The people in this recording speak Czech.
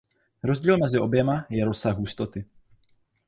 Rozdíl mezi oběma je "rozsah hustoty".